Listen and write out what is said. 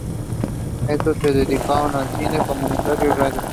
Estos se dedicaron al cine, comunicación y radio.